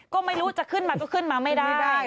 ก็ไม่รู้จะขึ้นมาก็ขึ้นมาไม่ได้